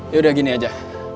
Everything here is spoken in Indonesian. yaudah gini aja